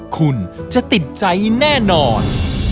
คุณจะติดใจแน่นอน